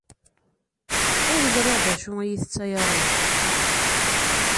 Ur ẓriɣ d acu i yi-tettsayaleḍ.